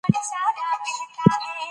پوهه د انسان لید لوری بدلوي.